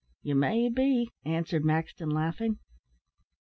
"You may be," answered Maxton, laughing.